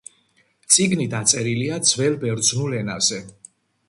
წიგნი დაწერილია ძველ ბერძნულ ენაზე.